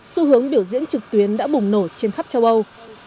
xu hướng biểu diễn trực tuyến đã bùng nổ trên khắp châu âu